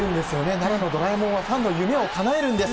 奈良のドラえもんはファンの夢をかなえるんです。